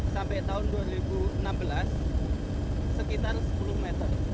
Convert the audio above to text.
sampai tahun dua ribu enam belas sekitar sepuluh meter